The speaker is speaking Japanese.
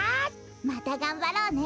またがんばろうね。